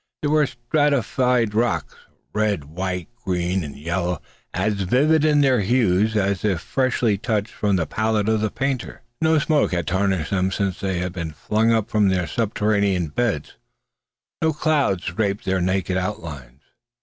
There were stratified rocks, red, white, green, and yellow, as vivid in their hues as if freshly touched from the palette of the painter. No smoke had tarnished them since they had been flung up from their subterranean beds. No cloud draped their naked outlines.